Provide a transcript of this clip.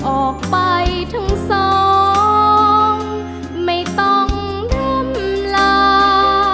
ออกไปทั้งสองไม่ต้องร่ำลา